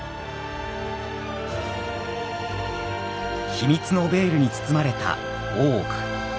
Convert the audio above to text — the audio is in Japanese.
秘密のベールに包まれた大奥。